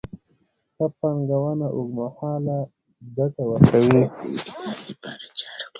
ښه پانګونه اوږدمهاله ګټه ورکوي.